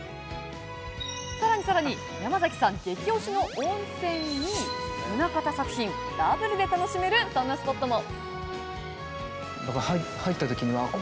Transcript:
さらにヤマザキさん激推しの温泉に棟方作品ダブルで楽しめるスポットも。